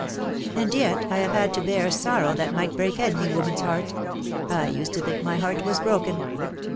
"And yet I have had to bear sorrow that might break any woman's heart. I used to think my heart was broken."